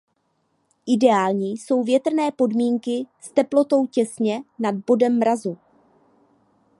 Ideální jsou větrné podmínky s teplotou těsně nad bodem mrazu.